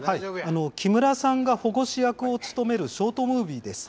木村さんが保護司役を務めるショートムービーです。